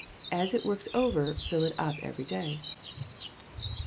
As it works over, fill it up every day.